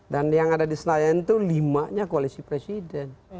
dan yang ada di senayan itu limanya koalisi presiden